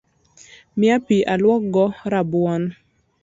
Mia pi alorgo rabuon